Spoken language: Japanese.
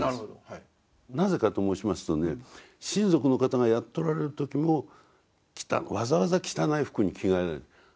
なぜかと申しますとね親族の方がやっておられる時もわざわざ汚い服に着替えられた。